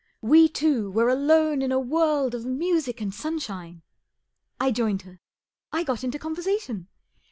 We two were alone in a world of music and sunshine. I joined her. I got into conversation.